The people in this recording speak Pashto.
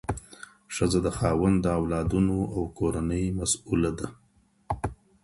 ښځه د خاوند د اولادونو او کورنۍ مسئوله ده.